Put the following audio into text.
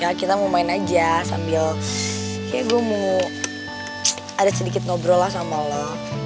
ya kita mau main aja sambil kayak gue mau ada sedikit ngobrol lah sama lo